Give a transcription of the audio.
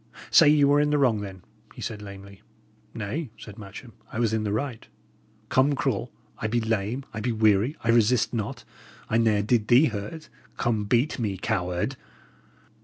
"Say ye were in the wrong, then," he said, lamely. "Nay," said Matcham, "I was in the right. Come, cruel! I be lame; I be weary; I resist not; I ne'er did thee hurt; come, beat me coward!"